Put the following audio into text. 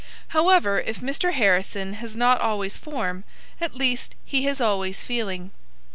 However, if Mr. Harrison has not always form, at least he has always feeling.